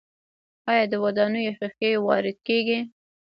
آیا د ودانیو ښیښې وارد کیږي؟